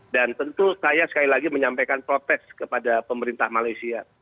dan tentu saya sekali lagi menyampaikan protes kepada pemerintah malaysia